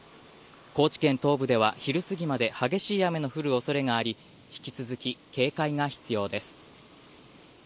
高知県東部では昼過ぎまで激しい雨の降るおそれがあり、引き続き警戒が必要です。